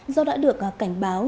do đã được cảnh báo